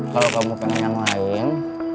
kalau kamu pengen yang lain